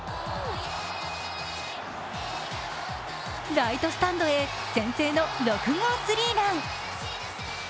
ライトスタンドへ先制の６号スリーラン。